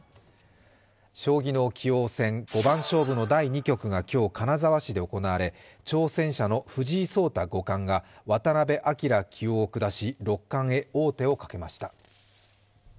将棋の棋王戦五番勝負の第２局が今日、金沢市で行われ、挑戦者の藤井聡太五冠が渡辺明棋王を下し六冠へ王手をかけました。